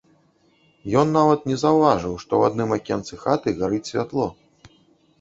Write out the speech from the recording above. Ён нават не заўважыў, што ў адным акенцы хаты гарыць святло.